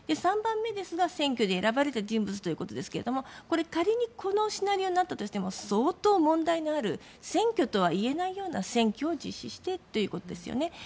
３番目ですが選挙で選ばれた人物ということですけどこれ、仮にこのシナリオになったとしても相当、問題のある選挙とはいえないような選挙を実施してということですね。